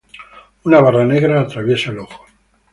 Una barra negra atraviesa el ojo.